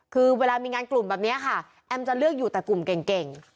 คือเวลามีงานกลุ่มแบบนี้ค่ะแอมจะเลือกอยู่แต่กลุ่มเก่ง